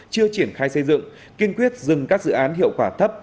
chưa triển khai xây dựng kiên quyết dừng các dự án hiệu quả thấp